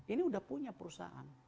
ini sudah punya perusahaan